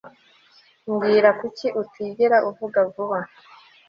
Mbwira Kuki utigera uvuga Vuga